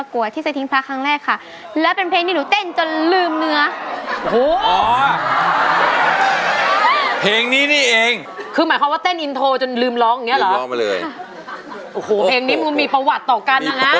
ขอใหม่นะคะทั้งหมดฮะเขาหลอกครับหรือนี่อีกค่ะ